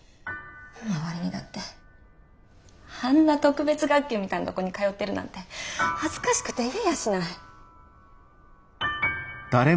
周りにだってあんな特別学級みたいなとこに通ってるなんて恥ずかしくて言えやしない。